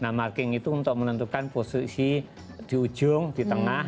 nah marking itu untuk menentukan posisi di ujung di tengah